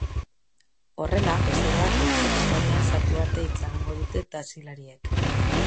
Horrela, bezeroak etxeko atarian sartu arte itxarongo dute taxilariek.